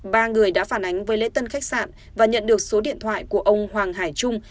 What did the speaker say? ba người đã phản ánh với lễ tân khách sạn và nhận được số điện thoại của ông hoàng hải trung